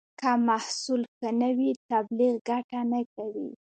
که محصول ښه نه وي، تبلیغ ګټه نه کوي.